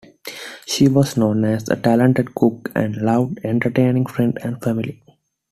She was known as a talented cook and loved entertaining friends and family.